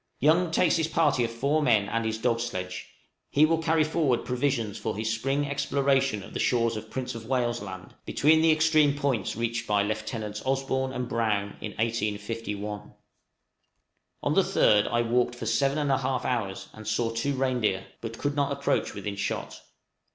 Young takes his party of four men and his dog sledge; he will carry forward provisions for his spring exploration of the shores of Prince of Wales' Land, between the extreme points reached by Lieutenants Osborn and Brown in 1851. On the 3d I walked for seven and a half hours, and saw two reindeer, but could not approach within shot.